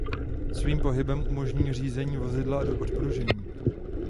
Svým pohybem umožňují řízení vozidla a odpružení.